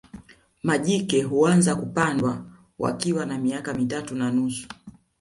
Majike huanza kupandwa wakiwa na miaka mitatu na nusu